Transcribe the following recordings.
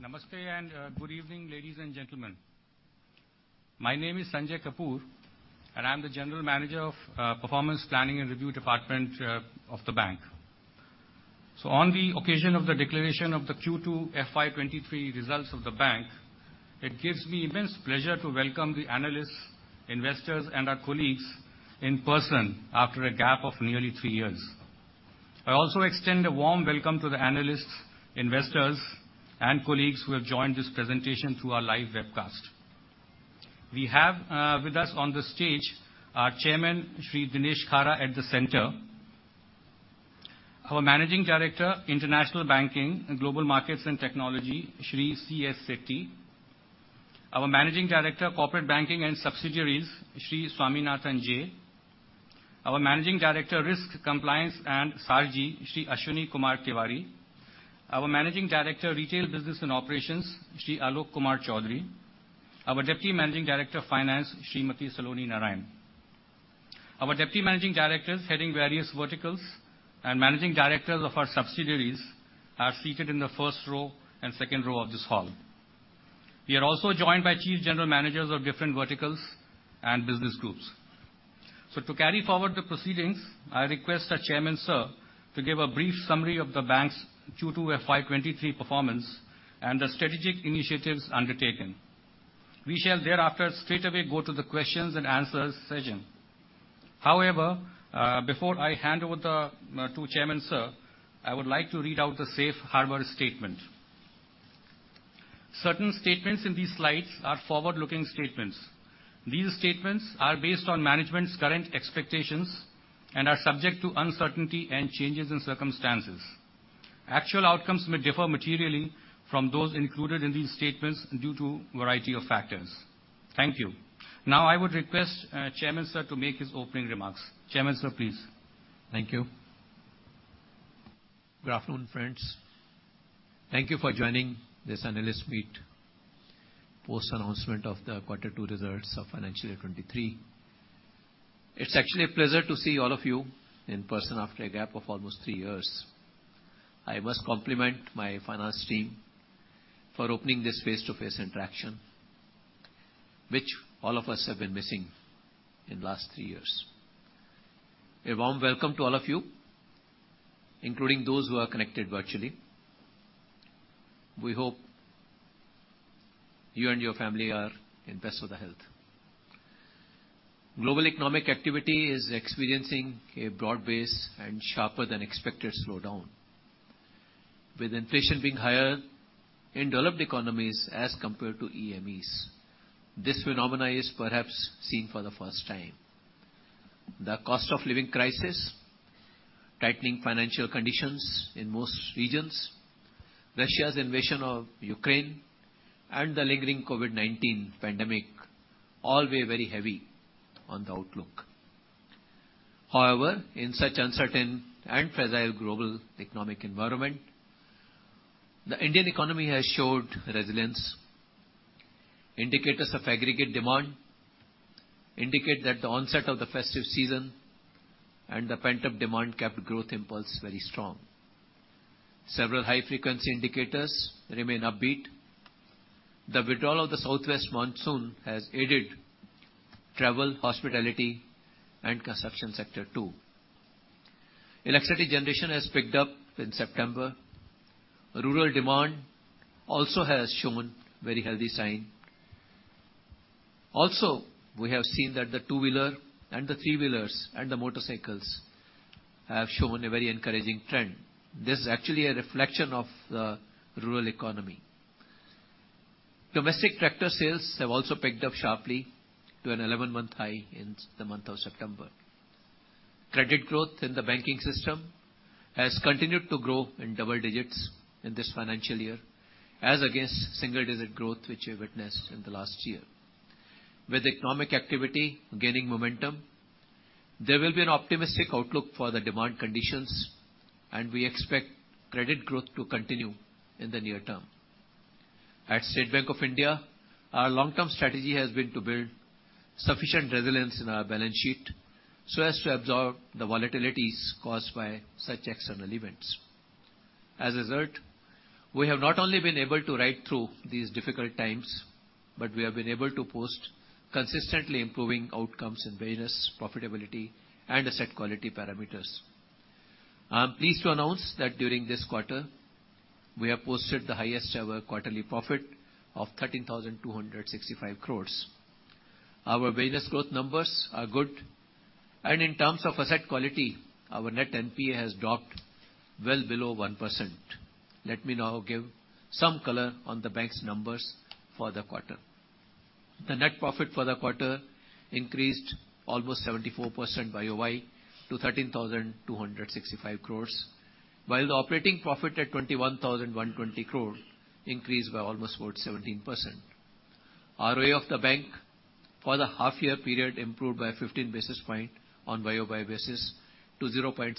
Namaste, and good evening, ladies and gentlemen. My name is Sanjay Kapoor, and I'm the General Manager of Performance Planning and Review department of the bank. On the occasion of the declaration of the Q2 FY23 results of the bank, it gives me immense pleasure to welcome the analysts, investors, and our colleagues in person after a gap of nearly three years. I also extend a warm welcome to the analysts, investors, and colleagues who have joined this presentation through our live webcast. We have with us on the stage our chairman, Shri Dinesh Khara at the center. Our Managing Director, International Banking and Global Markets and Technology, Shri C.S. Setty. Our Managing Director, Corporate Banking and Subsidiaries, Shri Swaminathan J. Our Managing Director, Risk, Compliance, and SARG, Shri Ashwini Kumar Tewari. Our Managing Director, Retail Business and Operations, Shri Alok Kumar Choudhary. Our Deputy Managing Director Finance, Shrimati Saloni Narayan. Our deputy managing directors heading various verticals and managing directors of our subsidiaries are seated in the first row and second row of this hall. We are also joined by chief general managers of different verticals and business groups. To carry forward the proceedings, I request our chairman, sir, to give a brief summary of the bank's Q2 FY23 performance and the strategic initiatives undertaken. We shall thereafter straightaway go to the questions and answers session. However, before I hand over to chairman, sir, I would like to read out the safe harbor statement. Certain statements in these slides are forward-looking statements. These statements are based on management's current expectations and are subject to uncertainty and changes in circumstances. Actual outcomes may differ materially from those included in these statements due to a variety of factors. Thank you. Now I would request, Chairman, sir, to make his opening remarks. Chairman, sir, please. Thank you. Good afternoon, friends. Thank you for joining this analyst meet, post-announcement of the Q2 results of financial year 2023. It's actually a pleasure to see all of you in person after a gap of almost three years. I must compliment my finance team for opening this face-to-face interaction, which all of us have been missing in the last three years. A warm welcome to all of you, including those who are connected virtually. We hope you and your family are in best of the health. Global economic activity is experiencing a broad-based and sharper-than-expected slowdown, with inflation being higher in developed economies as compared to EMEs. This phenomenon is perhaps seen for the first time. The cost of living crisis, tightening financial conditions in most regions, Russia's invasion of Ukraine, and the lingering COVID-19 pandemic all weigh very heavy on the outlook. However, in such uncertain and fragile global economic environment, the Indian economy has showed resilience. Indicators of aggregate demand indicate that the onset of the festive season and the pent-up demand kept growth impulse very strong. Several high-frequency indicators remain upbeat. The withdrawal of the southwest monsoon has aided travel, hospitality, and consumption sector too. Electricity generation has picked up in September. Rural demand also has shown very healthy sign. We have seen that the two-wheeler and the three-wheelers and the motorcycles have shown a very encouraging trend. This is actually a reflection of the rural economy. Domestic tractor sales have also picked up sharply to an 11-month high in the month of September. Credit growth in the banking system has continued to grow in double digits in this financial year, as against single-digit growth which we witnessed in the last year. With economic activity gaining momentum, there will be an optimistic outlook for the demand conditions, and we expect credit growth to continue in the near term. At State Bank of India, our long-term strategy has been to build sufficient resilience in our balance sheet so as to absorb the volatilities caused by such external events. As a result, we have not only been able to ride through these difficult times, but we have been able to post consistently improving outcomes in various profitability and asset quality parameters. I'm pleased to announce that during this quarter, we have posted the highest ever quarterly profit of 13,265 crore. Our business growth numbers are good, and in terms of asset quality, our net NPA has dropped well below 1%. Let me now give some color on the bank's numbers for the quarter. The net profit for the quarter increased almost 74% YOY to 13,265 crores, while the operating profit at 21,120 crore increased by almost about 17%. ROA of the bank for the half year period improved by 15 basis points on YOY basis to 0.76%,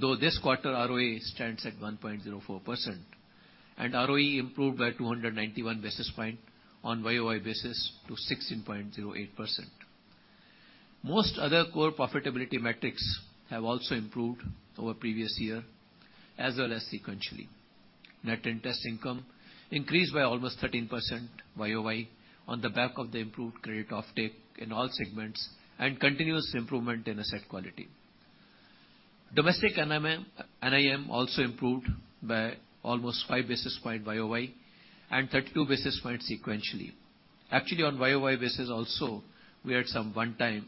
though this quarter ROA stands at 1.04%. ROE improved by 291 basis points on YOY basis to 16.08%. Most other core profitability metrics have also improved over previous year as well as sequentially. Net interest income increased by almost 13% YOY on the back of the improved credit offtake in all segments and continuous improvement in asset quality. Domestic NIM also improved by almost five basis points YOY and 32 basis points sequentially. Actually, on YOY basis also, we had some one-time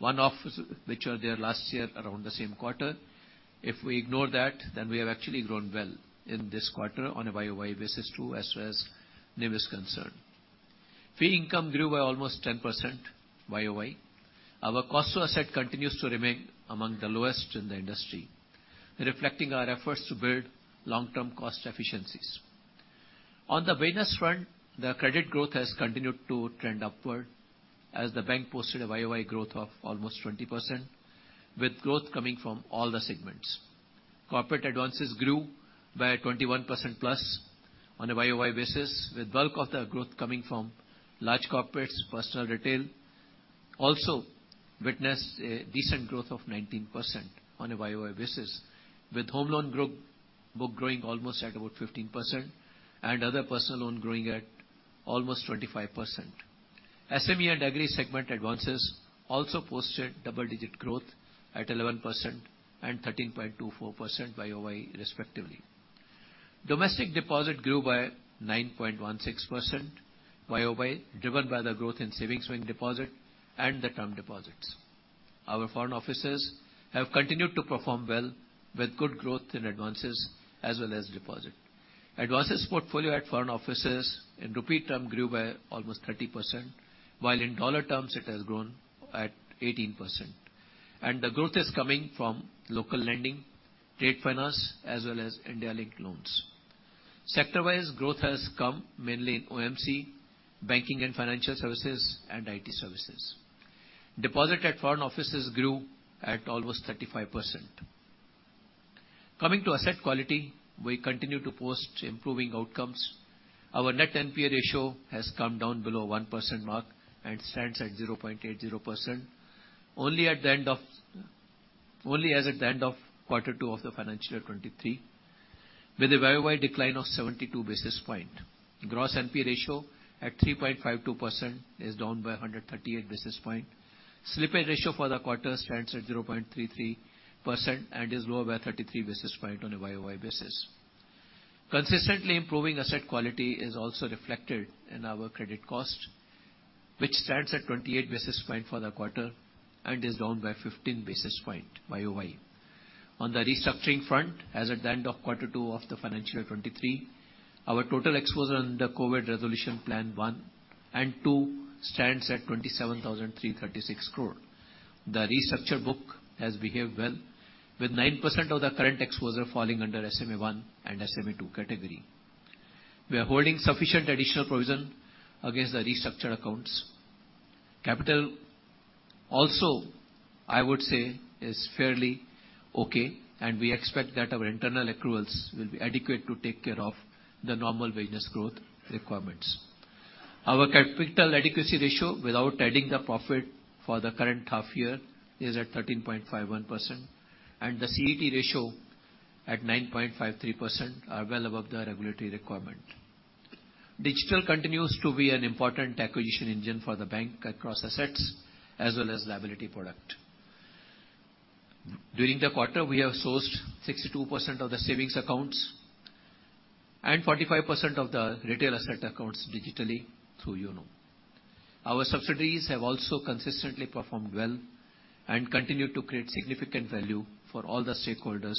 one-offs which were there last year around the same quarter. If we ignore that, then we have actually grown well in this quarter on a YOY basis too, as far as NIM is concerned. Fee income grew by almost 10% YOY. Our cost to asset continues to remain among the lowest in the industry, reflecting our efforts to build long-term cost efficiencies. On the business front, the credit growth has continued to trend upward as the bank posted a YOY growth of almost 20%, with growth coming from all the segments. Corporate advances grew by 21%+ on a YOY basis, with bulk of the growth coming from large corporates. Personal retail also witnessed a decent growth of 19% on a YOY basis, with home loan book growing almost at about 15% and other personal loan growing at almost 25%. SME and agri-segment advances also posted double-digit growth at 11% and 13.24% YOY respectively. Domestic deposit grew by 9.16% YOY, driven by the growth in savings bank deposit and the term deposits. Our foreign offices have continued to perform well with good growth in advances as well as deposit. Advances portfolio at foreign offices in rupee term grew by almost 30%, while in dollar terms it has grown at 18%. The growth is coming from local lending, trade finance, as well as India-linked loans. Sector-wise growth has come mainly in OMC, banking and financial services, and IT services. Deposits at foreign offices grew at almost 35%. Coming to asset quality, we continue to post improving outcomes. Our net NPA ratio has come down below 1% mark and stands at 0.80% only as at the end of Q2 of the financial year 2023, with a YOY decline of 72 basis point. Gross NPA ratio at 3.52% is down by 138 basis point. Slippage ratio for the quarter stands at 0.33% and is lower by 33 basis point on a YOY basis. Consistently improving asset quality is also reflected in our credit cost, which stands at 28 basis point for the quarter and is down by 15 basis point YOY. On the restructuring front, as at the end of Q2 of the financial year 2023, our total exposure on the COVID resolution plan one and two stands at 27,336 crore. The restructure book has behaved well, with 9% of the current exposure falling under SMA I and SMA II category. We are holding sufficient additional provision against the restructured accounts. Capital also, I would say, is fairly okay, and we expect that our internal accruals will be adequate to take care of the normal business growth requirements. Our capital adequacy ratio, without adding the profit for the current half year, is at 13.51%, and the CET1 ratio at 9.53% are well above the regulatory requirement. Digital continues to be an important acquisition engine for the bank across assets as well as liability product. During the quarter, we have sourced 62% of the savings accounts and 45% of the retail asset accounts digitally through YONO. Our subsidiaries have also consistently performed well and continue to create significant value for all the stakeholders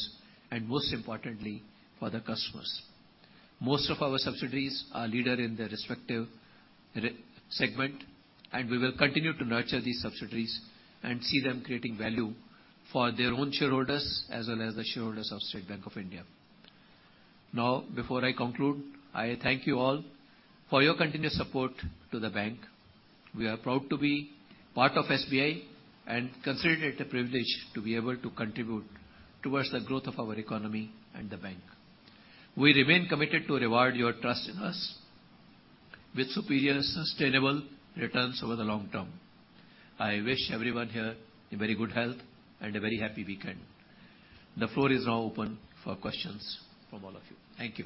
and most importantly for the customers. Most of our subsidiaries are leader in their respective segment, and we will continue to nurture these subsidiaries and see them creating value for their own shareholders as well as the shareholders of State Bank of India. Now, before I conclude, I thank you all for your continuous support to the bank. We are proud to be part of SBI and consider it a privilege to be able to contribute towards the growth of our economy and the bank. We remain committed to reward your trust in us with superior and sustainable returns over the long term. I wish everyone here a very good health and a very happy weekend. The floor is now open for questions from all of you. Thank you.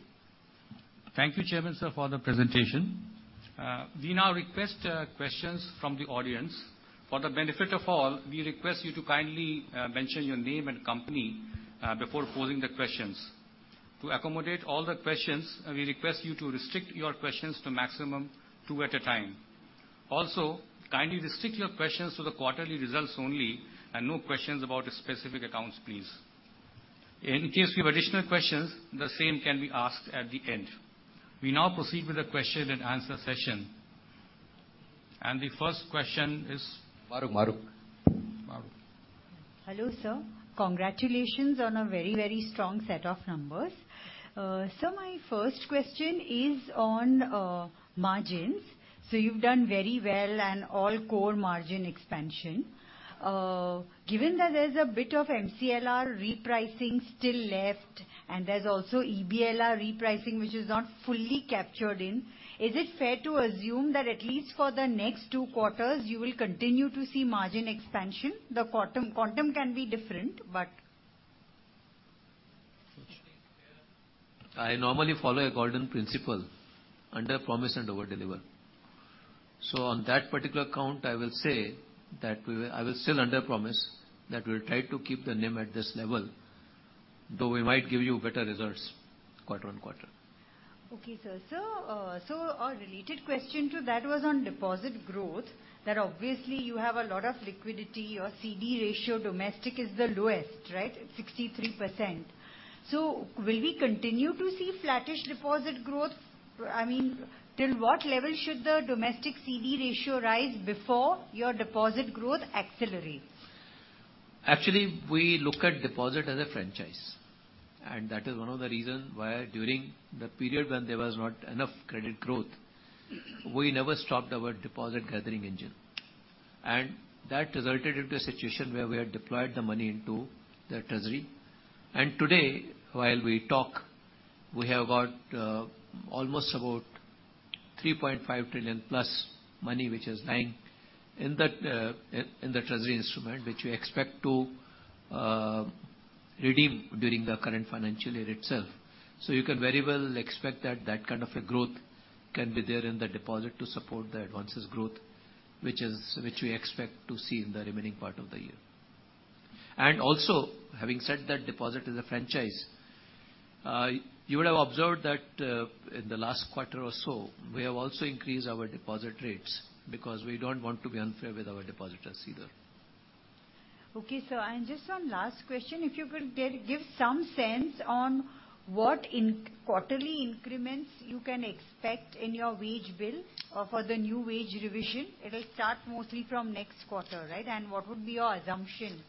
Thank you, Chairman, sir, for the presentation. We now request questions from the audience. For the benefit of all, we request you to kindly mention your name and company before posing the questions. To accommodate all the questions, we request you to restrict your questions to maximum two at a time. Also, kindly restrict your questions to the quarterly results only and no questions about specific accounts, please. In case you have additional questions, the same can be asked at the end. We now proceed with the question and answer session. The first question is. Mahrukh. Mahrukh. Hello, sir. Congratulations on a very, very strong set of numbers. My first question is on margins. You've done very well on all core margin expansion. Given that there's a bit of MCLR repricing still left. There's also EBLR repricing which is not fully captured in. Is it fair to assume that at least for the next two quarters, you will continue to see margin expansion? The quantum can be different, but. I normally follow a golden principle, underpromise and overdeliver. On that particular count, I will say that I will still underpromise, that we'll try to keep the NIM at this level, though we might give you better results quarter on quarter. Okay, sir. A related question to that was on deposit growth, that obviously you have a lot of liquidity. Your CD ratio domestic is the lowest, right? 63%. Will we continue to see flattish deposit growth? I mean, till what level should the domestic CD ratio rise before your deposit growth accelerates? Actually, we look at deposit as a franchise, and that is one of the reasons why during the period when there was not enough credit growth, we never stopped our deposit gathering engine. That resulted into a situation where we had deployed the money into the treasury. Today, while we talk, we have got almost about 3.5 trillion-plus money which is lying in that, in the treasury instrument, which we expect to redeem during the current financial year itself. You can very well expect that kind of a growth can be there in the deposit to support the advances growth, which we expect to see in the remaining part of the year. Also, having said that deposit is a franchise, you would have observed that, in the last quarter or so, we have also increased our deposit rates because we don't want to be unfair with our depositors either. Okay, sir. Just one last question. If you could give some sense on what quarterly increments you can expect in your wage bill for the new wage revision. It'll start mostly from next quarter, right? What would be your assumption?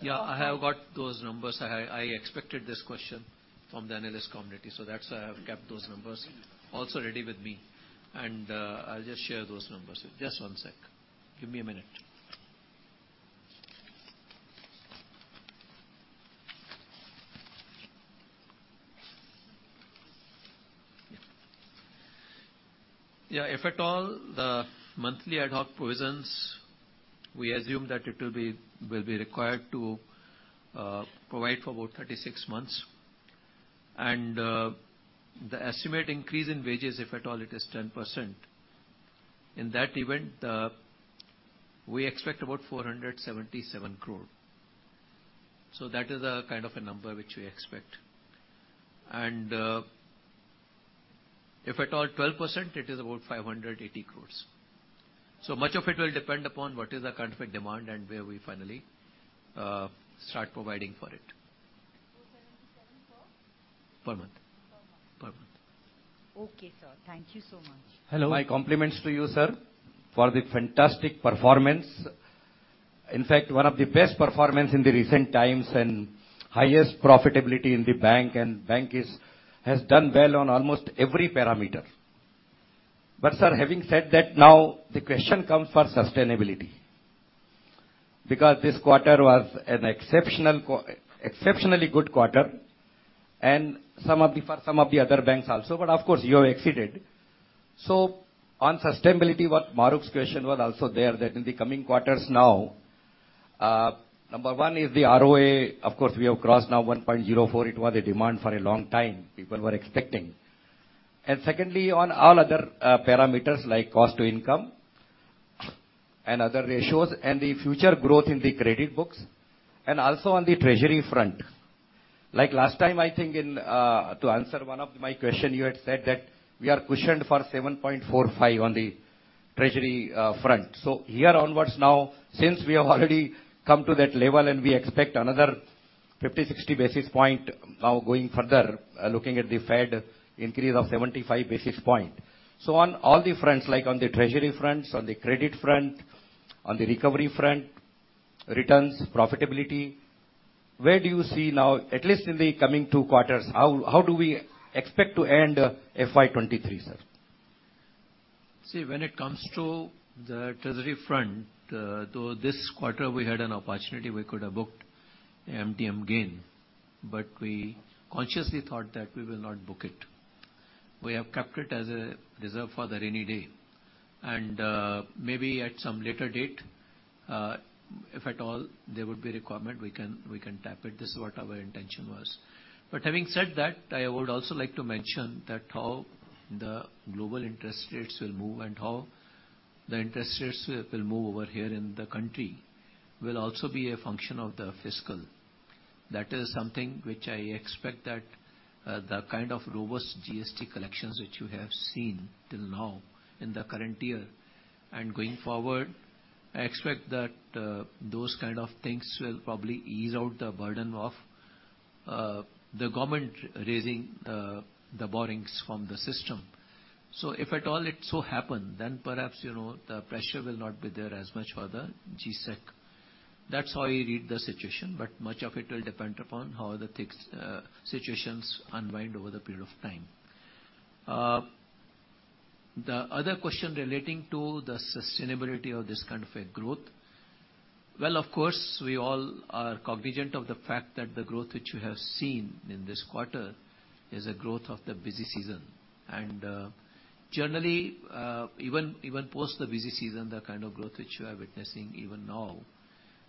Yeah, I have got those numbers. I expected this question from the analyst community, so that's why I've kept those numbers also ready with me, and I'll just share those numbers with you. Just one sec. Give me a minute. Yeah, if at all, the monthly ad hoc provisions, we assume that it will be required to provide for about 36 months. The estimated increase in wages, if at all, it is 10%. In that event, we expect about 477 crore. That is a kind of a number which we expect. If at all 12%, it is about 580 crores. Much of it will depend upon what is the current demand and where we finally start providing for it. 477 for? Per month. Per month. Per month. Okay, sir. Thank you so much. Hello. My compliments to you, sir, for the fantastic performance. In fact, one of the best performance in the recent times and highest profitability in the bank, and bank has done well on almost every parameter. Sir, having said that, now the question comes for sustainability. Because this quarter was an exceptionally good quarter, and some of the other banks also, but of course you have exceeded. On sustainability, what Mahrukh's question was also there, that in the coming quarters now, number one is the ROA. Of course, we have crossed now 1.04%. It was a demand for a long time people were expecting. Secondly, on all other parameters like cost to income and other ratios and the future growth in the credit books, and also on the treasury front. Like last time, I think in to answer one of my question, you had said that we are cushioned for 7.45 on the treasury front. Here onwards now, since we have already come to that level and we expect another 50-60 basis points now going further, looking at the Fed increase of 75 basis points. On all the fronts, like on the treasury fronts, on the credit front, on the recovery front, returns, profitability, where do you see now, at least in the coming two quarters, how do we expect to end FY23, sir? See, when it comes to the treasury front, though this quarter we had an opportunity, we could have booked MTM gain, but we consciously thought that we will not book it. We have kept it as a reserve for the rainy day. Maybe at some later date, if at all there would be requirement, we can tap it. This is what our intention was. Having said that, I would also like to mention that how the global interest rates will move and how the interest rates will move over here in the country will also be a function of the fiscal. That is something which I expect that, the kind of robust GST collections which you have seen till now in the current year and going forward, I expect that, those kind of things will probably ease out the burden of, the government raising, the borrowings from the system. If at all it so happen, then perhaps, you know, the pressure will not be there as much for the G-Sec. That's how I read the situation, but much of it will depend upon how the things, situations unwind over the period of time. The other question relating to the sustainability of this kind of a growth. Well, of course, we all are cognizant of the fact that the growth which you have seen in this quarter is a growth of the busy season. Generally, even post the busy season, the kind of growth which you are witnessing even now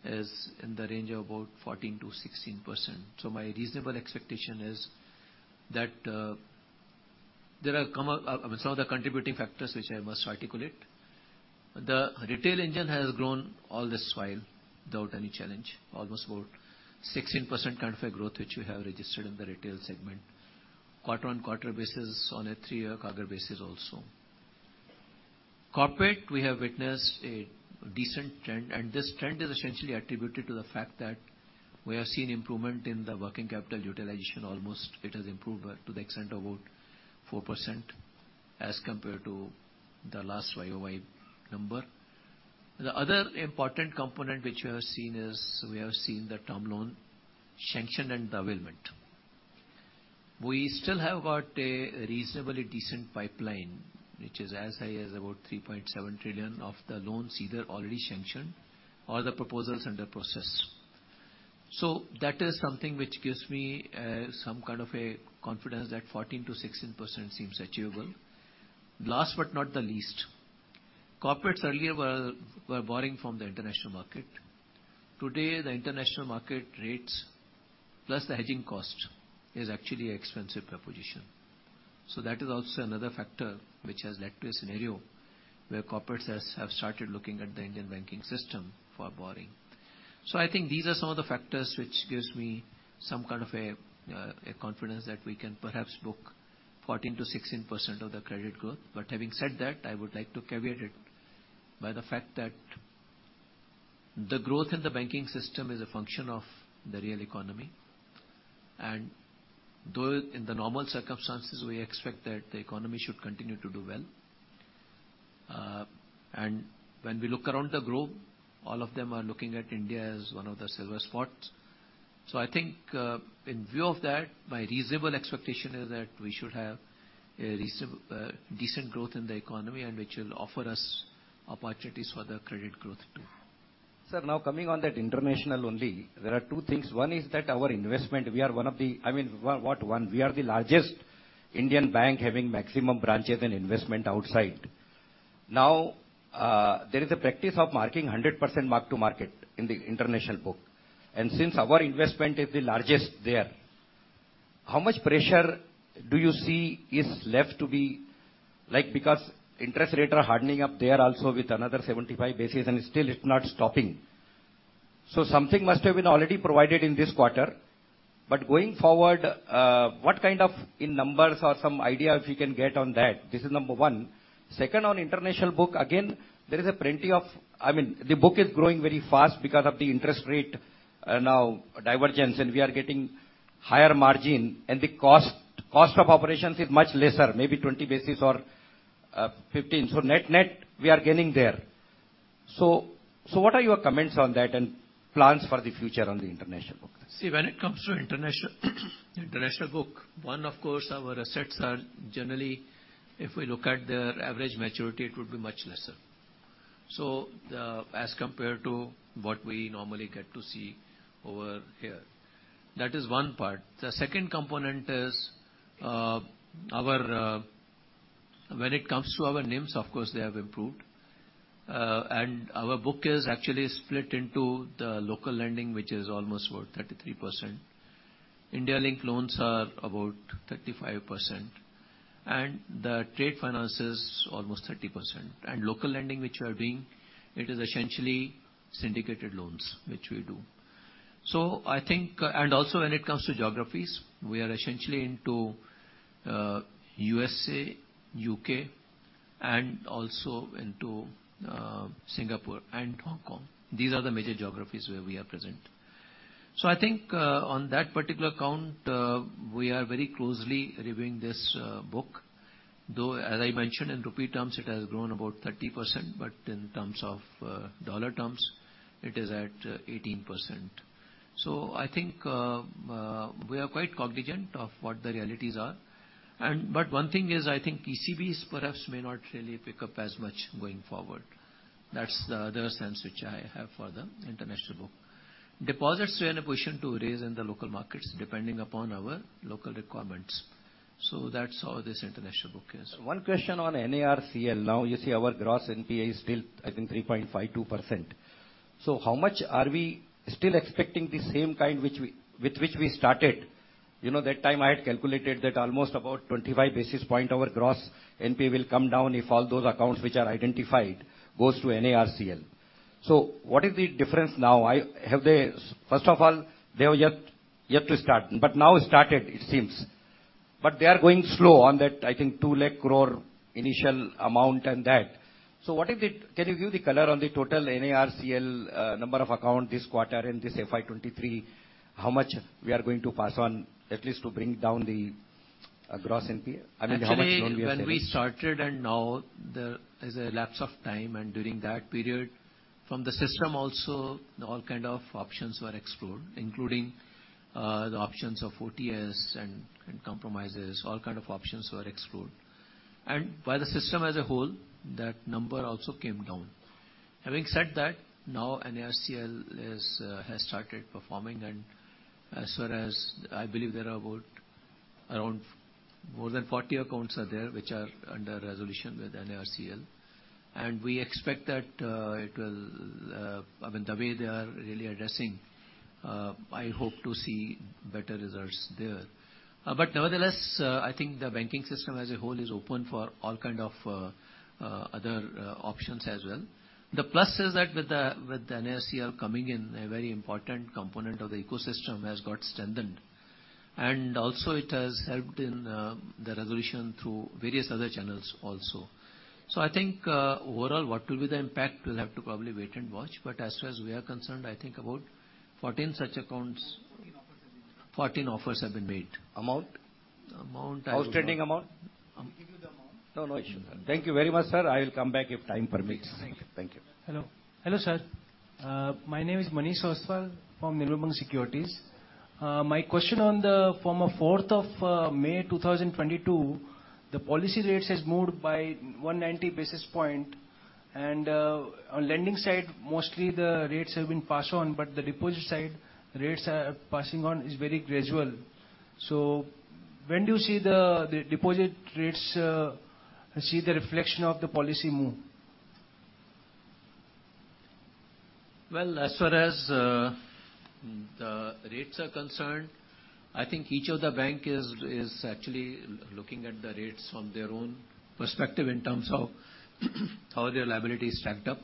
is in the range of about 14%-16%. My reasonable expectation is that there have come up some of the contributing factors which I must articulate. The retail engine has grown all this while without any challenge, almost about 16% kind of a growth which we have registered in the retail segment, quarter-on-quarter basis on a three-year CAGR basis also. Corporate, we have witnessed a decent trend, and this trend is essentially attributed to the fact that we have seen improvement in the working capital utilization. Almost it has improved by to the extent of about 4% as compared to the last YOY number. The other important component which we have seen is we have seen the term loan sanction and the availment. We still have got a reasonably decent pipeline, which is as high as about 3.7 trillion of the loans either already sanctioned or the proposals under process. That is something which gives me some kind of a confidence that 14%-16% seems achievable. Last but not the least, corporates earlier were borrowing from the international market. Today, the international market rates plus the hedging cost is actually expensive proposition. That is also another factor which has led to a scenario where corporates have started looking at the Indian banking system for borrowing. I think these are some of the factors which gives me some kind of a confidence that we can perhaps book 14%-16% of the credit growth. Having said that, I would like to caveat it by the fact that the growth in the banking system is a function of the real economy. Though in the normal circumstances, we expect that the economy should continue to do well. When we look around the globe, all of them are looking at India as one of the bright spots. I think, in view of that, my reasonable expectation is that we should have a reasonable, decent growth in the economy, and which will offer us opportunities for the credit growth too. Sir, now coming on that international only, there are two things. One is that our investment, we are the largest Indian bank having maximum branches and investment outside. Now, there is a practice of marking 100% mark to market in the international book. Since our investment is the largest there, how much pressure do you see is left to be like because interest rates are hardening up there also with another 75 basis points and still it's not stopping. Something must have been already provided in this quarter. Going forward, what kind of in numbers or some idea if you can get on that? This is number one. Second, on international book, again, there is plenty of I mean, the book is growing very fast because of the interest rate divergence, and we are getting higher margin, and the cost of operations is much lesser, maybe 20 basis or 15. So net, we are gaining there. So what are your comments on that and plans for the future on the international book? See, when it comes to international book, of course, our assets are generally, if we look at their average maturity, it would be much lesser as compared to what we normally get to see over here. That is one part. The second component is, when it comes to our NIMs, of course, they have improved. Our book is actually split into the local lending, which is almost about 33%. India-linked loans are about 35%, and the trade finance is almost 30%. Local lending, which we are doing, it is essentially syndicated loans which we do. When it comes to geographies, we are essentially into USA, U.K., and also into Singapore and Hong Kong. These are the major geographies where we are present. I think on that particular count we are very closely reviewing this book, though as I mentioned, in rupee terms it has grown about 30%, but in terms of dollar terms it is at 18%. I think we are quite cognizant of what the realities are. One thing is, I think ECBs perhaps may not really pick up as much going forward. That's the other sense which I have for the international book. Deposits we are in a position to raise in the local markets depending upon our local requirements. That's how this international book is. One question on NARCL. Now you see our gross NPA is still, I think, 3.52%. How much are we still expecting the same kind with which we started? You know, that time I had calculated that almost about 25 basis points our gross NPA will come down if all those accounts which are identified goes to NARCL. What is the difference now? First of all, they were yet to start, but now started, it seems. But they are going slow on that, I think, 2 lakh crore initial amount and that. What is it? Can you give the color on the total NARCL number of accounts this quarter and this FY 2023, how much we are going to pass on at least to bring down the gross NPA? I mean, how much loan we are servicing. Actually, when we started and now, there is a lapse of time, and during that period. From the system also, all kind of options were explored, including the options of OTS and compromises, all kind of options were explored. By the system as a whole, that number also came down. Having said that, now NARCL has started performing and as far as I believe there are about around more than 40 accounts are there which are under resolution with NARCL, and we expect that it will, I mean, the way they are really addressing, I hope to see better results there. Nevertheless, I think the banking system as a whole is open for all kind of other options as well. The plus is that with the NARCL coming in, a very important component of the ecosystem has got strengthened, and also it has helped in the resolution through various other channels also. I think overall, what will be the impact, we'll have to probably wait and watch. As far as we are concerned, I think about 14 such accounts- 14 offers have been made. 14 offers have been made. Amount? Amount I don't know. Outstanding amount. We'll give you the amount. No, no, it's okay. Thank you very much, sir. I will come back if time permits. Thank you. Thank you. Hello. Hello, sir. My name is Manish Ostwal from Nirmal Bang Securities. My question from 4 May 2022, the policy rates has moved by 190 basis points and, on lending side, mostly the rates have been passed on, but the deposit side rates are passing on is very gradual. When do you see the deposit rates, see the reflection of the policy move? Well, as far as the rates are concerned, I think each of the bank is actually looking at the rates from their own perspective in terms of how their liability is stacked up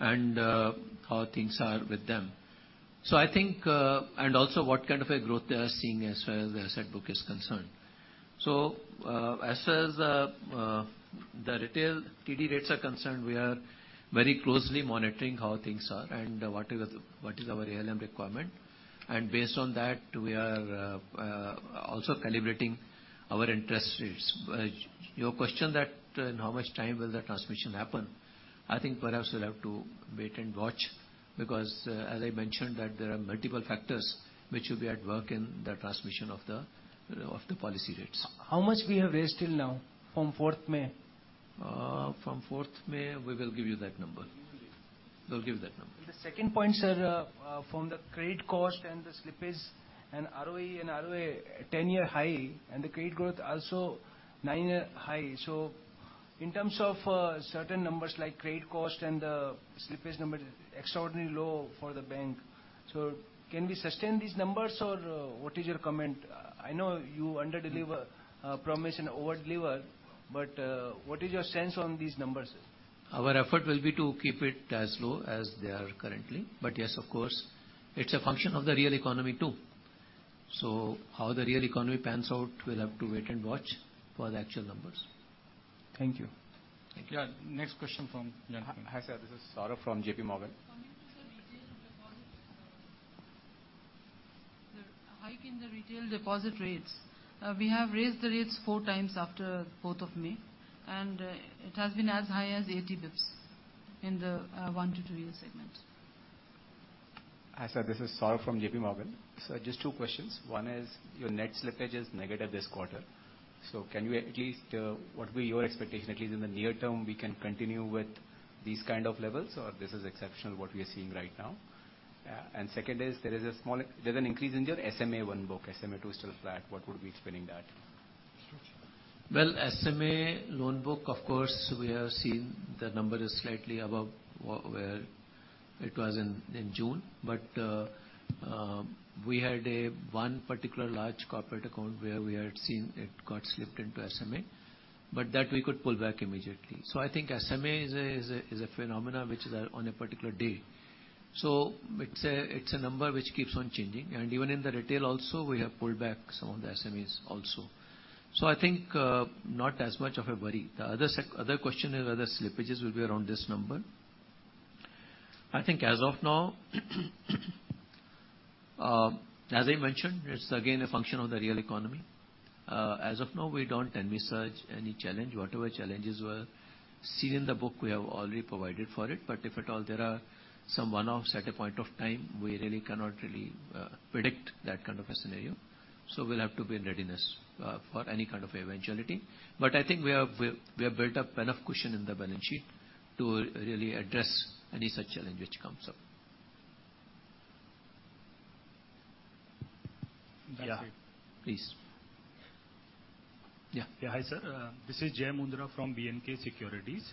and how things are with them. I think and also what kind of a growth they are seeing as far as the asset book is concerned. As far as the retail TD rates are concerned, we are very closely monitoring how things are and what is our ALM requirement. Based on that, we are also calibrating our interest rates. Your question that in how much time will the transmission happen, I think perhaps we'll have to wait and watch because as I mentioned that there are multiple factors which will be at work in the transmission of the policy rates. How much we have raised till now from 4 May? From 4 May, we will give you that number. We will give. We'll give that number. The second point, sir, from the credit cost and the slippage and ROE and ROA 10-year high and the credit growth also nine-year high. In terms of certain numbers like credit cost and the slippage number is extraordinarily low for the bank. Can we sustain these numbers or what is your comment? I know you underpromise and overdeliver, but what is your sense on these numbers? Our effort will be to keep it as low as they are currently. Yes, of course, it's a function of the real economy too. How the real economy pans out, we'll have to wait and watch for the actual numbers. Thank you. Thank you. Next question from... Hi, sir, this is Saurabh from JP Morgan. Coming to the retail deposit. The hike in the retail deposit rates, we have raised the rates four times after 4 of May, and it has been as high as 80 basis points in the one to two-year segment. Hi, sir. This is Saurabh from JP Morgan. Sir, just two questions. One is your net slippage is negative this quarter. Can you at least what will your expectation at least in the near term we can continue with these kind of levels or this is exceptional what we are seeing right now? Second, there's an increase in your SMA one book. SMA two is still flat. What could be explaining that? Well, SMA loan book, of course, we have seen the number is slightly above where it was in June. We had one particular large corporate account where we had seen it got slipped into SMA, but that we could pull back immediately. I think SMA is a phenomenon which is on a particular day. It's a number which keeps on changing. Even in the retail also we have pulled back some of the SMAs also. I think not as much of a worry. The other question is whether slippages will be around this number. I think as of now, as I mentioned, it's again a function of the real economy. As of now, we don't envisage any challenge. Whatever challenges we're seeing in the book, we have already provided for it. If at all there are some one-offs at a point of time, we really cannot predict that kind of a scenario. We'll have to be in readiness for any kind of eventuality. I think we have built up enough cushion in the balance sheet to really address any such challenge which comes up. That's it. Yeah, please. Yeah. Yeah. Hi, sir. This is Jai Mundhra from B&K Securities.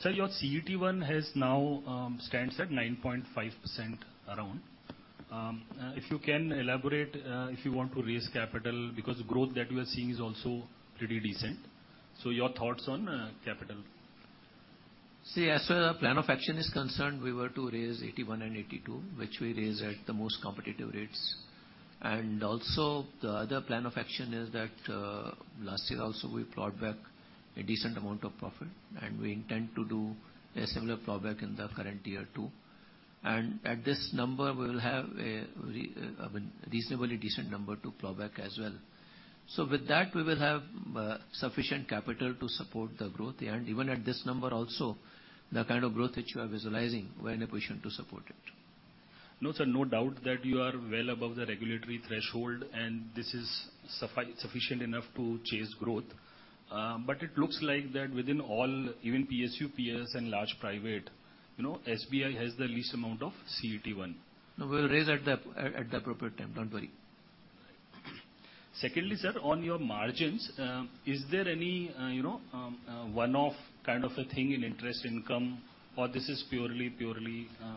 Sir, your CET1 now stands at around 9.5%. If you can elaborate if you want to raise capital because growth that we are seeing is also pretty decent. Your thoughts on capital. See, as far as our plan of action is concerned, we were to raise 81 and 82, which we raised at the most competitive rates. Also the other plan of action is that, last year also, we plowed back a decent amount of profit, and we intend to do a similar plowback in the current year too. At this number, we will have I mean, reasonably decent number to claw back as well. With that, we will have sufficient capital to support the growth. Even at this number also, the kind of growth that you are visualizing, we're in a position to support it. No, sir. No doubt that you are well above the regulatory threshold, and this is sufficient enough to chase growth. It looks like that within all, even PSU, PS and large private, you know, SBI has the least amount of CET1. No, we'll raise at the appropriate time. Don't worry. Secondly, sir, on your margins, is there any, you know, one-off kind of a thing in interest income or this is purely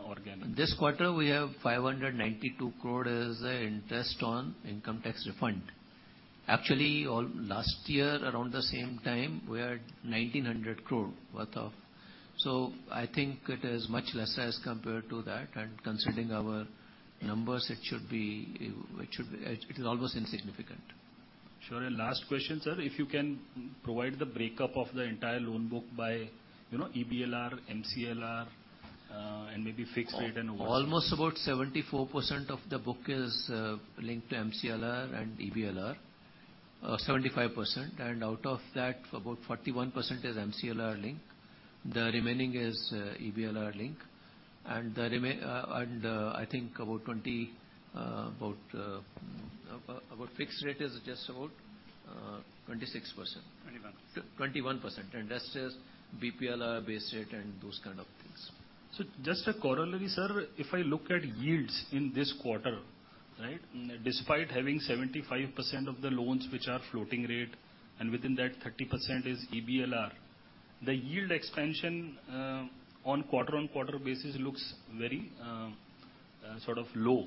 organic? This quarter we have 592 crore as interest on income tax refund. Actually, last year around the same time, we had 1,900 crore worth of. So I think it is much less as compared to that. Considering our numbers, it should be. It is almost insignificant. Sure. Last question, sir. If you can provide the breakup of the entire loan book by, you know, EBLR, MCLR, and maybe fixed rate and Almost about 74% of the book is linked to MCLR and EBLR. 75%. Out of that, about 41% is MCLR linked. The remaining is EBLR linked. I think our fixed rate is just about 26%. 21. 21%. That's just BPLR base rate and those kind of things. Just a corollary, sir. If I look at yields in this quarter, right? Despite having 75% of the loans which are floating rate, and within that 30% is EBLR, the yield expansion on quarter-on-quarter basis looks very sort of low.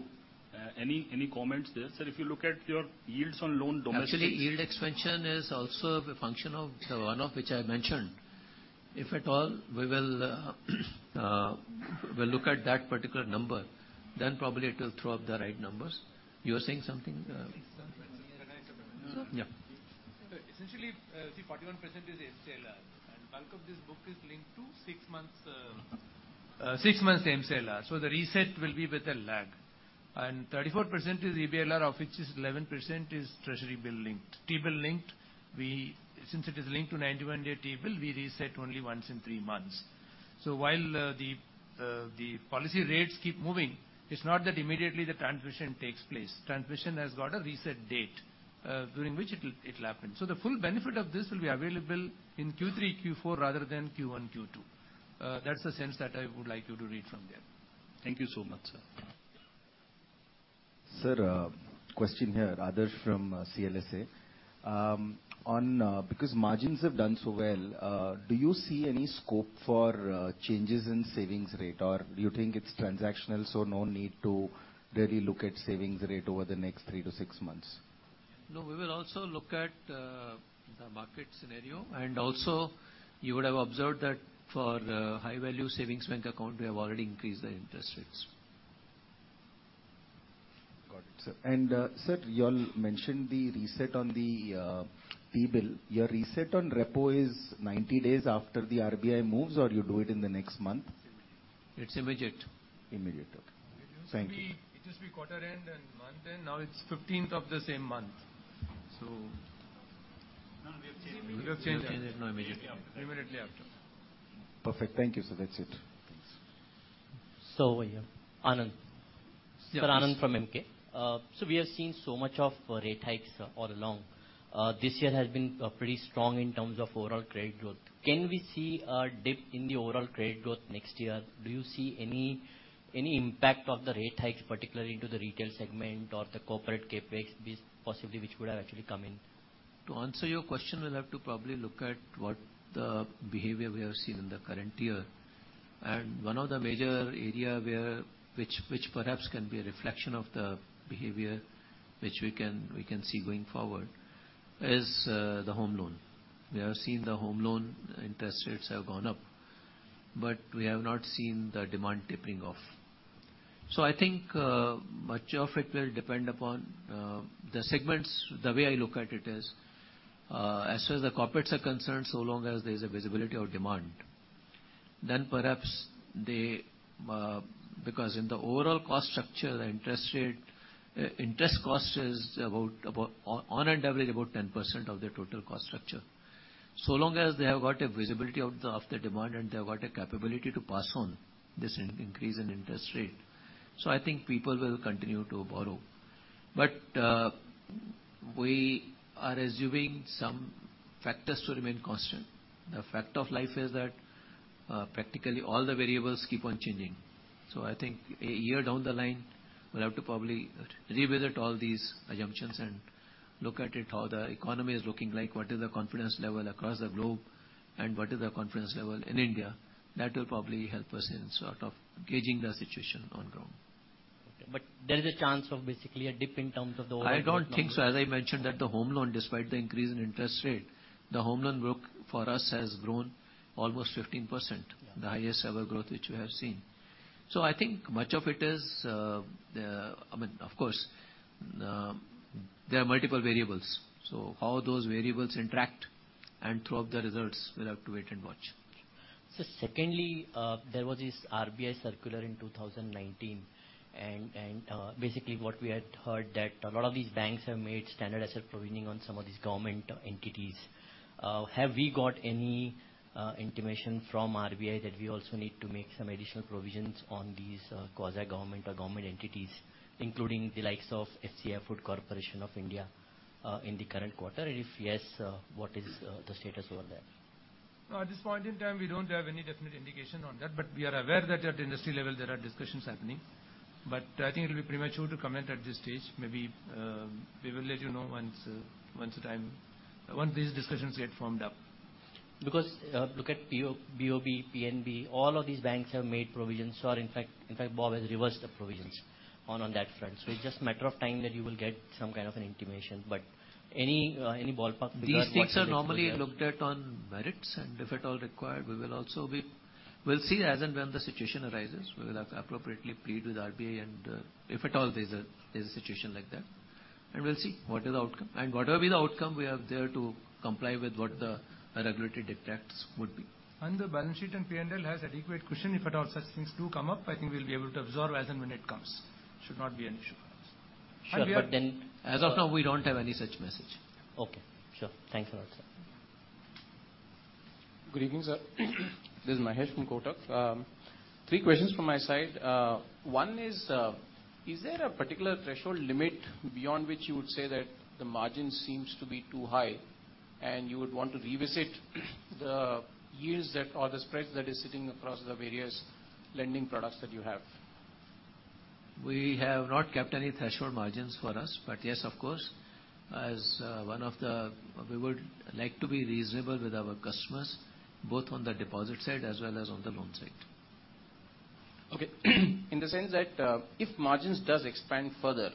Any comments there? Sir, if you look at your yields on loan domestically- Actually, yield expansion is also a function of the one of which I mentioned. If at all we'll look at that particular number, then probably it will throw up the right numbers. You were saying something. Yeah. Essentially, see 41% is MCLR, and bulk of this book is linked to six months. Six months MCLR, so the reset will be with a lag. 34% is EBLR, of which eleven percent is treasury bill linked. T-bill linked. Since it is linked to 91-day T-bill, we reset only once in three months. While the policy rates keep moving, it's not that immediately the transmission takes place. Transmission has got a reset date during which it'll happen. The full benefit of this will be available in Q3, Q4 rather than Q1, Q2. That's the sense that I would like you to read from there. Thank you so much, sir. Sir, question here. Adarsh from CLSA. On because margins have done so well, do you see any scope for changes in savings rate or do you think it's transactional, so no need to really look at savings rate over the next three to six months? No, we will also look at the market scenario. You would have observed that for the high value savings bank account, we have already increased the interest rates. Got it, sir. Sir, you all mentioned the reset on the T-bill. Your reset on repo is 90 days after the RBI moves or you do it in the next month? It's immediate. Immediate. Okay. Thank you. It used to be quarter end and month end. Now it's 15 of the same month. No, we have changed. You have changed that. Immediately after. Immediately after. Perfect. Thank you, sir. That's it. Thanks. Yeah. Anand. Yes, please. Sir, Anand from Emkay. We have seen so much of rate hikes all along. This year has been pretty strong in terms of overall credit growth. Can we see a dip in the overall credit growth next year? Do you see any impact of the rate hikes, particularly into the retail segment or the corporate CapEx, this possibly which would have actually come in? To answer your question, we'll have to probably look at what the behavior we have seen in the current year. One of the major area where which perhaps can be a reflection of the behavior which we can see going forward is the home loan. We have seen the home loan interest rates have gone up, but we have not seen the demand tipping off. I think much of it will depend upon the segments. The way I look at it is, as far as the corporates are concerned, so long as there is a visibility of demand, then perhaps they because in the overall cost structure, the interest rate, interest cost is about on an average 10% of their total cost structure. Long as they have got a visibility of the demand and they have got a capability to pass on this increase in interest rate, I think people will continue to borrow. We are assuming some factors to remain constant. The fact of life is that practically all the variables keep on changing. I think a year down the line, we'll have to probably revisit all these assumptions and look at it how the economy is looking like, what is the confidence level across the globe, and what is the confidence level in India. That will probably help us in sort of gauging the situation on ground. Okay. There is a chance of basically a dip in terms of the overall. I don't think so. As I mentioned that the home loan, despite the increase in interest rate, the home loan book for us has grown almost 15%. Yeah. The highest ever growth which we have seen. I think much of it is, I mean, of course, there are multiple variables. How those variables interact and throw up the results, we'll have to wait and watch. Sir, secondly, there was this RBI circular in 2019, and basically what we had heard that a lot of these banks have made standard asset provisioning on some of these government entities. Have we got any intimation from RBI that we also need to make some additional provisions on these quasi-government or government entities, including the likes of FCI, Food Corporation of India, in the current quarter? If yes, what is the status over there? No, at this point in time, we don't have any definite indication on that. We are aware that at industry level there are discussions happening. I think it'll be premature to comment at this stage. Maybe, we will let you know once these discussions get firmed up. Look at BOB, PNB, all of these banks have made provisions, or in fact, BOB has reversed the provisions on that front. It's just a matter of time that you will get some kind of an intimation. Any ballpark figure what you- These things are normally looked at on merits, and if at all required, we'll see as and when the situation arises. We will have appropriately plead with RBI, and if at all there's a situation like that. We'll see what is the outcome. Whatever be the outcome, we are there to comply with what the regulatory dictates would be. The balance sheet and P&L has adequate cushion. If at all such things do come up, I think we'll be able to absorb as and when it comes. Should not be an issue for us. Sure. As of now, we don't have any such message. Okay. Sure. Thanks a lot, sir. Good evening, sir. This is Mahesh from Kotak. Three questions from my side. One is there a particular threshold limit beyond which you would say that the margin seems to be too high, and you would want to revisit the yields or the spread that is sitting across the various lending products that you have? We have not kept any threshold margins for us. Yes, of course, we would like to be reasonable with our customers, both on the deposit side as well as on the loan side. Okay. In the sense that, if margins does expand further,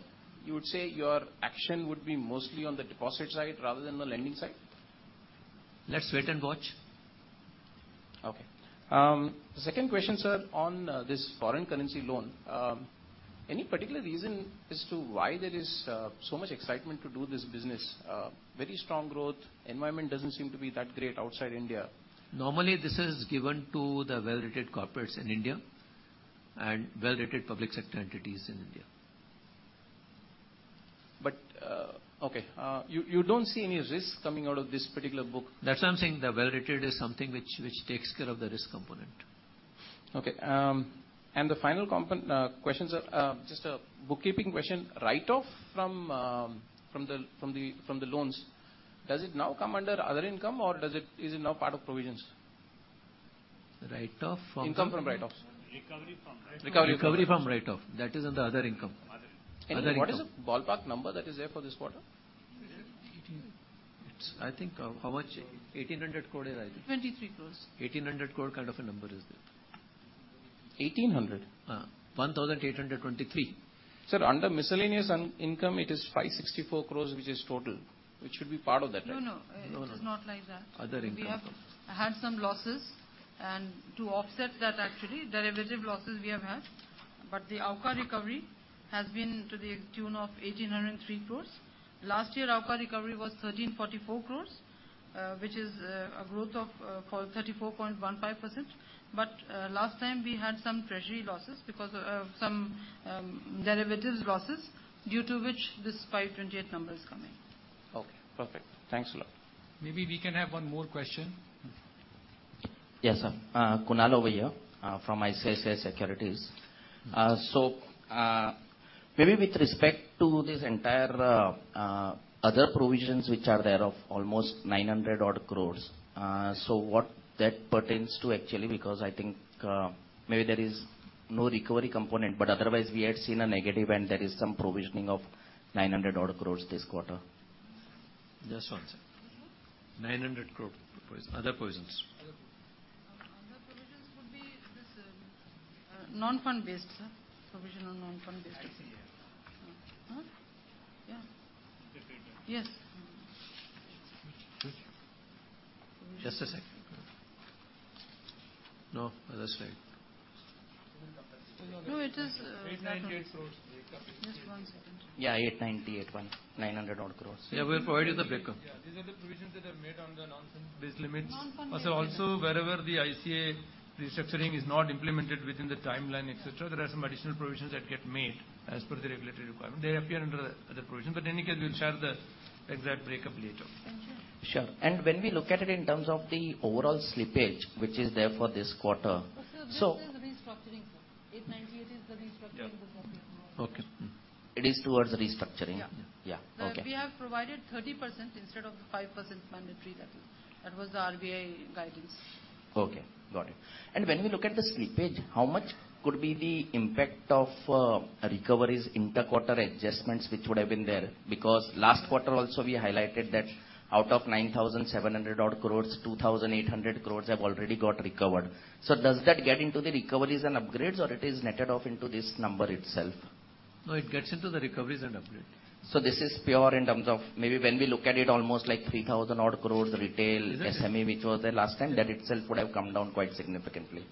you would say your action would be mostly on the deposit side rather than the lending side? Let's wait and watch. Okay. Second question, sir, on this foreign currency loan. Any particular reason as to why there is so much excitement to do this business? Very strong growth, environment doesn't seem to be that great outside India. Normally, this is given to the well-rated corporates in India and well-rated public sector entities in India. Okay. You don't see any risk coming out of this particular book? That's why I'm saying the well-rated is something which takes care of the risk component. Okay, the final question, sir, just a bookkeeping question. Write-off from the loans, does it now come under other income or is it now part of provisions? Write-off from. Income from write-offs. Recovery from write-off. Recovery from write-off. Recovery from write-off. That is on the other income. Other income. Other income. What is the ballpark number that is there for this quarter? How much? 1,800 crore, right? 23 crore. 1,800 crore kind of a number is there. 1800? Uh, 1823. Sir, under miscellaneous income it is 564 crores which is total, which should be part of that, right? No, no. No, no. It is not like that. Other income. We have had some losses, and to offset that actually, derivative losses we have had. The AUCA recovery has been to the tune of 1,803 crore. Last year, AUCA recovery was 1,344 crore, which is a growth of 34.15%. Last time we had some treasury losses because of some derivatives losses due to which this 528 number is coming. Okay. Perfect. Thanks a lot. Maybe we can have one more question. Yes, sir. Kunal over here, from ICICI Securities. Maybe with respect to this entire other provisions which are there of almost 900 crore. What that pertains to actually because I think maybe there is no recovery component, but otherwise we had seen a negative and there is some provisioning of 900 crore this quarter. Just one second. Which one? 900 crore provisions, other provisions. Other provisions. Other provisions could be this, non-fund-based, sir. Provision on non-fund-based. ICAs. Mm. Huh? Yeah. Just a second. No, other slide. No, it is. 898 crore. Just one second. Yeah, 898.9, 900 odd crores. Yeah, we'll provide you the breakup. Yeah, these are the provisions that are made on the non-fund-based limits. Non-fund-based limits. Also, wherever the ICA restructuring is not implemented within the timeline, et cetera, there are some additional provisions that get made as per the regulatory requirement. They appear under the other provision. In any case, we'll share the exact breakup later. Thank you. Sure. When we look at it in terms of the overall slippage, which is there for this quarter. Sir, 898 is the restructuring. Yeah. for non-fund-based. Okay. It is toward the restructuring? Yeah. Yeah. Okay. We have provided 30% instead of the 5% mandatory, that is. That was the RBI guidance. Okay, got it. When we look at the slippage, how much could be the impact of recoveries inter-quarter adjustments which would have been there? Because last quarter also we highlighted that out of 9,700 odd crores, 2,800 crores have already got recovered. Does that get into the recoveries and upgrades, or it is netted off into this number itself? No, it gets into the recoveries and upgrade. This is pure in terms of maybe when we look at it almost like 3,000-odd crore retail. Is it? SME which was there last time, that itself would have come down quite significantly.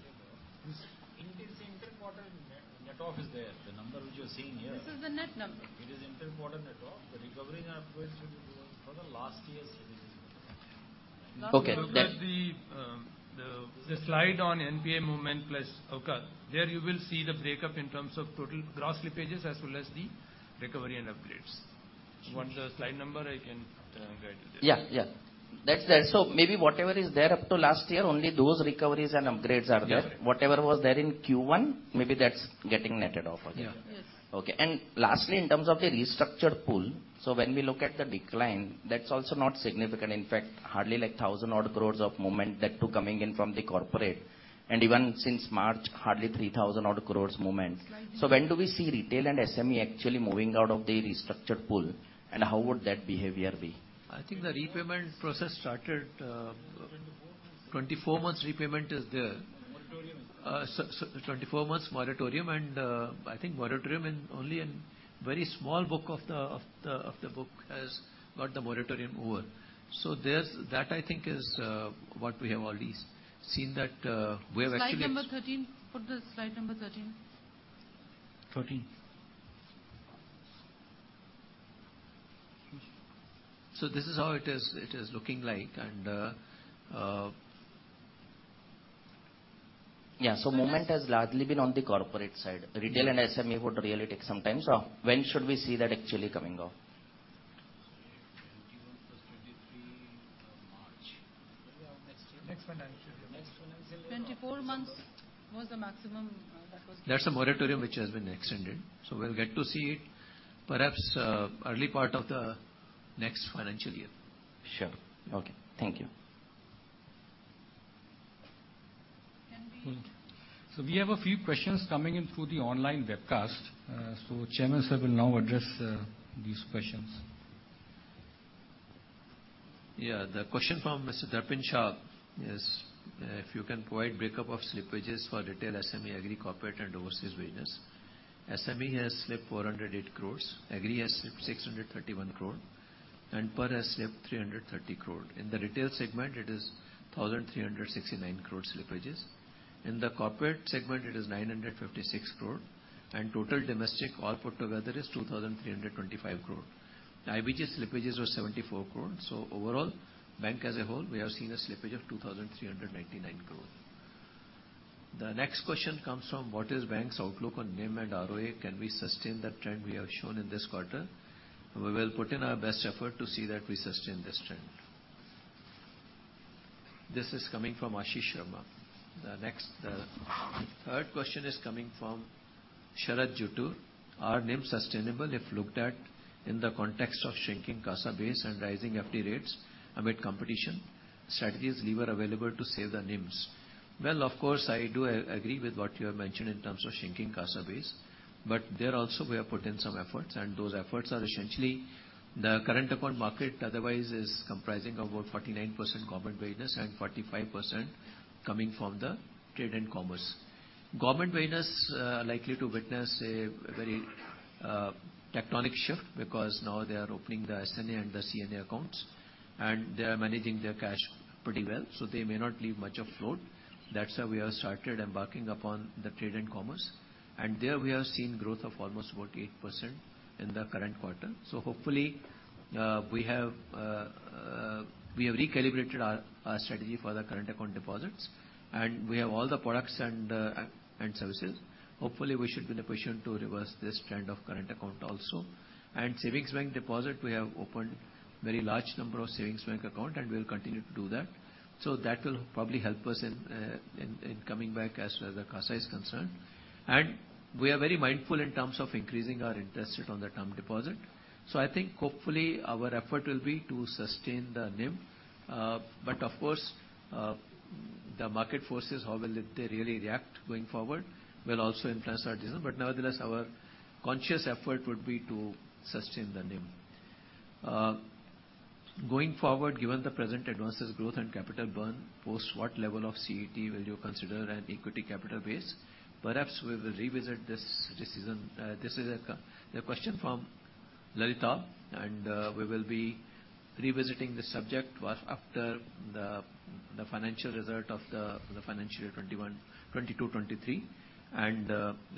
Net off is there, the number which you're seeing here. This is the net number. It is intra-quarter net off. The recovery and upgrades will be from the last year's. Okay. If you look at the slide on NPA movement plus okay, there you will see the breakup in terms of total gross slippages as well as the recovery and upgrades. You want the slide number? I can guide you there. Yeah, yeah. Maybe whatever is there up to last year, only those recoveries and upgrades are there. Yeah. Whatever was there in Q1, maybe that's getting netted off. Yeah. Yes. Okay. Lastly, in terms of the restructured pool, so when we look at the decline, that's also not significant. In fact, hardly like 1,000 odd crores of movement, that too coming in from the corporate. Even since March, hardly 3,000 odd crores movement. When do we see retail and SME actually moving out of the restructured pool, and how would that behavior be? I think the repayment process started. 24 months. 24 months repayment is there. Moratorium. 24 months moratorium, and I think moratorium is only in very small book of the book has got the moratorium over. That, I think, is what we have already seen, that we have actually- Slide number 13. Put the slide number 13. 13. This is how it is, it is looking like. Yeah. Movement has largely been on the corporate side. Retail and SME would really take some time. When should we see that actually coming off? Sorry. 21 plus 23, March. Will be our next year. Next financial year. Next financial year. 24 months was the maximum. That's the moratorium which has been extended. We'll get to see it perhaps, early part of the next financial year. Sure. Okay. Thank you. Can we- We have a few questions coming in through the online webcast. Chairman sir will now address these questions. Yeah. The question from Mr. Darpin Shah is if you can provide breakup of slippages for retail, SME, agri, corporate and overseas business. SME has slipped 408 crores. Agri has slipped 631 crore, and par has slipped 330 crore. In the retail segment, it is 1,369 crore slippages. In the corporate segment it is 956 crore. Total domestic all put together is 2,325 crore. IBG slippages were 74 crore. Overall, bank as a whole, we have seen a slippage of 2,399 crore. The next question comes from, "What is bank's outlook on NIM and ROA? Can we sustain the trend we have shown in this quarter?" We will put in our best effort to see that we sustain this trend. This is coming from Ashish Sharma. The next third question is coming from Sharad Avasthi. "Are NIMs sustainable if looked at in the context of shrinking CASA base and rising FD rates amid competition? Strategic levers available to save the NIMs?" Well, of course, I agree with what you have mentioned in terms of shrinking CASA base, but there also we have put in some efforts, and those efforts are essentially the current account market otherwise is comprising of about 49% government business and 45% coming from the trade and commerce. Government business likely to witness a very tectonic shift because now they are opening the SNA and the CNA accounts, and they are managing their cash pretty well, so they may not leave much of float. That's why we have started embarking upon the trade and commerce, and there we have seen growth of almost about 8% in the current quarter. Hopefully, we have recalibrated our strategy for the current account deposits, and we have all the products and services. Hopefully, we should be in a position to reverse this trend of current account also. Savings bank deposit, we have opened very large number of savings bank account, and we'll continue to do that. That will probably help us in coming back as far as the CASA is concerned. We are very mindful in terms of increasing our interest rate on the term deposit. I think hopefully our effort will be to sustain the NIM. Of course, the market forces, how will it. They really react going forward will also influence our decision. Nevertheless, our conscious effort would be to sustain the NIM. Going forward, given the present advances growth and capital burn post, what level of CET will you consider an equity capital base? Perhaps we will revisit this decision. This is a question from Lalitabh Shrivastawa, and we will be revisiting this subject work after the financial result of the financial year 2021, 2022, 2023.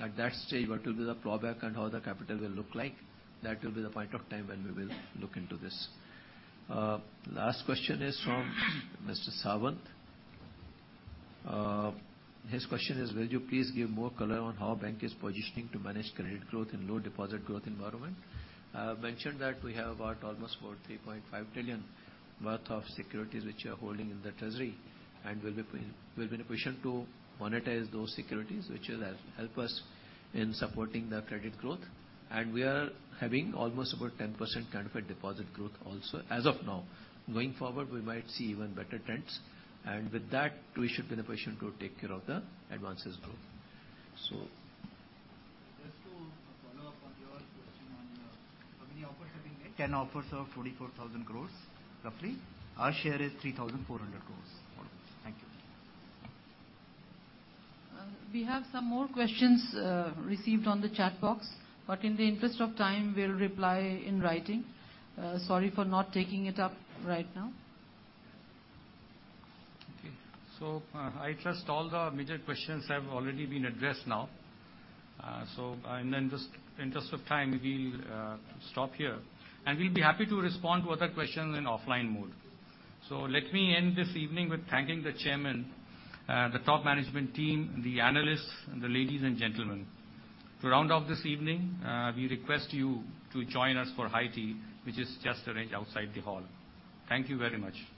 At that stage, what will be the pullback and how the capital will look like, that will be the point of time when we will look into this. Last question is from Mr. Sawant. His question is, "Will you please give more color on how bank is positioning to manage credit growth in low deposit growth environment?" I have mentioned that we have about 3.5 trillion worth of securities which we are holding in the treasury, and we'll be in a position to monetize those securities, which will help us in supporting the credit growth. We are having almost about 10% CASA deposit growth also as of now. Going forward, we might see even better trends. With that, we should be in a position to take care of the advances growth. Just to follow up on your question on how many offers have been made. 10 offers of 44,000 crore, roughly. Our share is 3,400 crore. All good. Thank you. We have some more questions received on the chat box. In the interest of time, we'll reply in writing. Sorry for not taking it up right now. Okay. I trust all the major questions have already been addressed now. In the interest of time, we'll stop here, and we'll be happy to respond to other questions in offline mode. Let me end this evening with thanking the chairman, the top management team, the analysts, and the ladies and gentlemen. To round off this evening, we request you to join us for high tea, which is just arranged outside the hall. Thank you very much. Thank you very much. Thanks a lot.